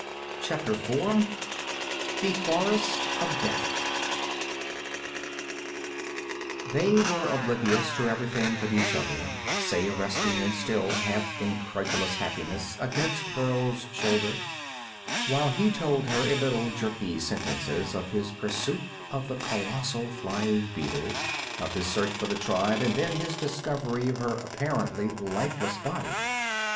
CHAPTER IV The Forest of Death They were oblivious to everything but each other, Saya resting in still half incredulous happiness against Burl's shoulder while he told her in little, jerky sentences of his pursuit of the colossal flying beetle, of his search for the tribe, and then his discovery of her apparently lifeless body.